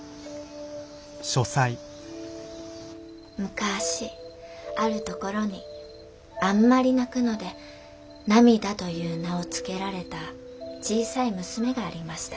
「昔ある所にあんまり泣くのでナミダという名を付けられた小さい娘がありました」。